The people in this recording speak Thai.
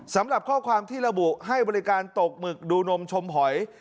สำหรับข้อความที่ระบุให้บริการตกหมึกดูนมชมหอย